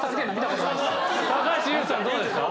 高橋ユウさんどうですか？